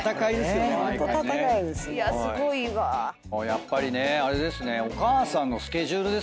やっぱりねあれですね。